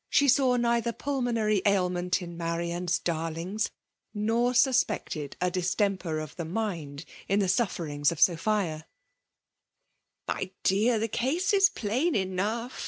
She saw neither pubnoBarj ailment in Marian's darlings, nor snspeeted a distemper of the mind in the sufferings of Sophia. " My dear, the ease is plain enough